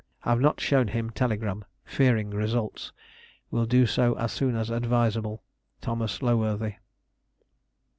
Have not shown him telegram, fearing results. Will do so as soon as advisable. "Thomas Loworthy."